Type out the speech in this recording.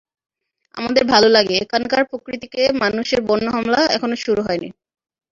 আমাদের ভালো লাগে, এখানকার প্রকৃতিতে মানুষের বন্য হামলা এখনো শুরু হয়নি।